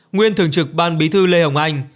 nguyên thường trực ban bí thư lê hồng anh